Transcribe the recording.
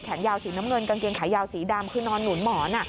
ยาวสีน้ำเงินกางเกงขายาวสีดำคือนอนหนุนหมอน